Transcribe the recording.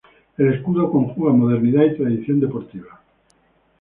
El Escudo conjuga modernidad y tradición deportiva.